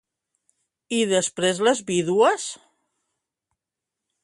I després les vídues?